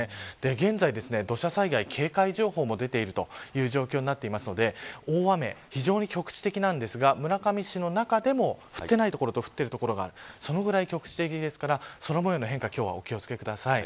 現在、土砂災害警戒情報も出ているという状況になっているので大雨、非常に局地的なんですが村上市の中でも降っていない所と降っている所がそれぐらい局地的ですから変化に今日はお気を付けください。